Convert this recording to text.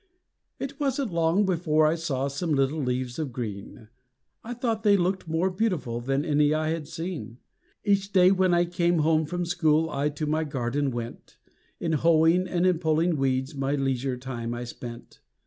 It wasn't long before I saw Some little leaves of green; I thought they looked more beautiful Than any I had seen. Each day when I came home from school, I to my garden went; In hoeing and in pulling weeds, My leisure time I spent.